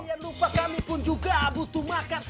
jangan lupa kami pun juga butuh makan